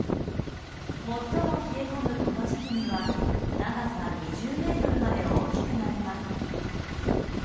最も冷え込む、この時期には長さ２０ｍまで大きくなります。